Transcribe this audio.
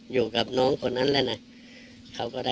กินโทษส่องแล้วอย่างนี้ก็ได้